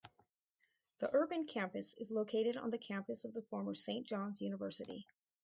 The urban campus is located on the campus of the former Saint John's University.